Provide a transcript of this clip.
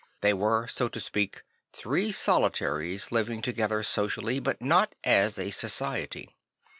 They were, so to speak, three solitaries living together socially, but not as a society.